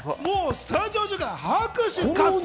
スタジオ中から拍手喝采。